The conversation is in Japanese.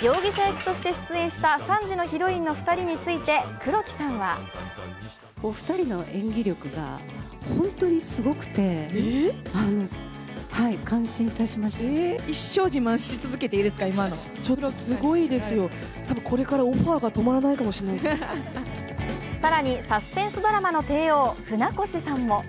容疑者役として出演した３時のヒロインの２人について黒木さんは更にサスペンスドラマの帝王、船越さんも。